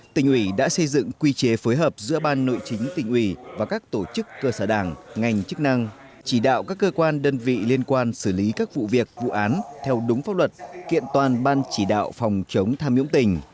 tỉnh ủy đã xây dựng quy chế phối hợp giữa ban nội chính tỉnh ủy và các tổ chức cơ sở đảng ngành chức năng chỉ đạo các cơ quan đơn vị liên quan xử lý các vụ việc vụ án theo đúng pháp luật kiện toàn ban chỉ đạo phòng chống tham nhũng tỉnh